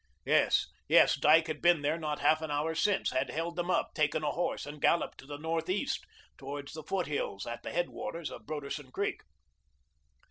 Yes, yes, Dyke had been there not half an hour since, had held them up, taken a horse and galloped to the northeast, towards the foothills at the headwaters of Broderson Creek.